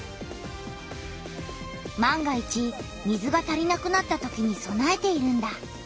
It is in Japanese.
万が一水が足りなくなったときにそなえているんだ。